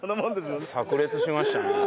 炸裂しましたね。